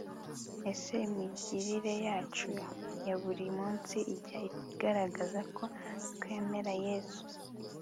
ese imigirire yacu ya buri munsi ijya igaragazako twemera yezu